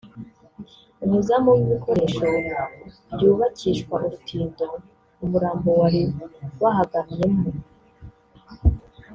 umuzamu w’ibikoresho byubakishwa urutindo umurambo wari wahagamyemo